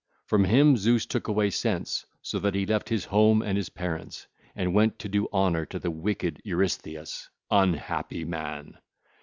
From him Zeus took away sense, so that he left his home and his parents and went to do honour to the wicked Eurystheus—unhappy man!